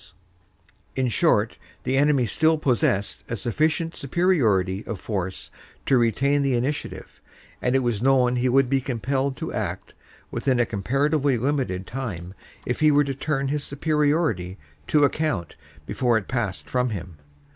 THE SITUATION ON THE WEST FRONT 3 "In short, the enemy still possessed a sufficient superiority of force to retain the initiative, and it was known he would be compelled to act within a comparatively limited time if he were to turn his superiority to account before it passed from him.